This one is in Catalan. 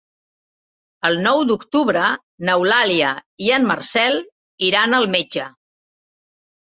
El nou d'octubre n'Eulàlia i en Marcel iran al metge.